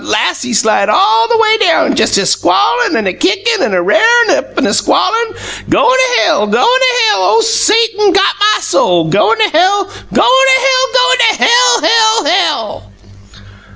Las' he slide all a way down, jes' a squallin' an' a kickin' an' a rarin' up an' squealin', 'Goin' to hell. Goin' to hell! Ole Satum got my soul! Goin' to hell! Goin' to hell! Goin' to hell, hell, hell!"